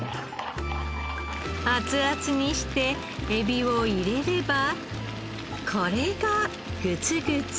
熱々にして海老を入れればこれがグツグツ。